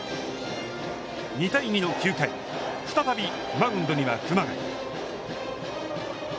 ２対２の９回、再びマウンドには熊谷。